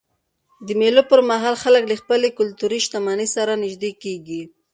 د مېلو پر مهال خلک له خپلي کلتوري شتمنۍ سره نيژدې کېږي.